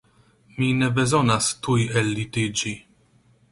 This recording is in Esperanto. Mi ne bezonas tuj ellitiĝi.